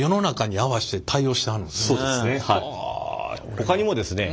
ほかにもですね